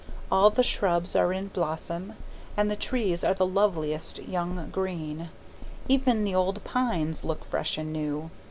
All the shrubs are in blossom and the trees are the loveliest young green even the old pines look fresh and new.